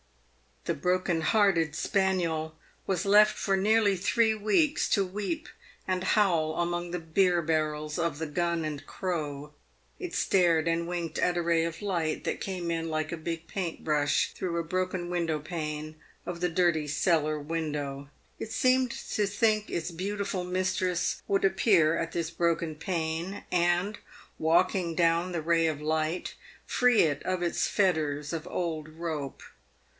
The broken hearted spaniel was left for nearly three weeks to weep and howl among the beer barrels of the " Gun and Crow." It stared and winked at a ray of light that came in like a big paint brush through a broken pane of the dirty cellar window. It seemed to think its beautiful mistress would appear at this broken pane, and, walking down the ray of light, free it of its fetters of old rope.